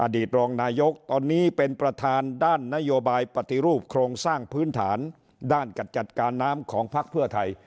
ตรองนายกตอนนี้เป็นประธานด้านนโยบายปฏิรูปโครงสร้างพื้นฐานด้านกัจจัดการน้ำของพักเพื่อไทย